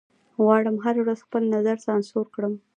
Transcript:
غواړم هره ورځ خپل نظر سانسور کړم